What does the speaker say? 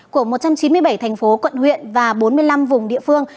của một trăm chín mươi bảy thành phố quận huyện và bốn mươi năm vùng địa phương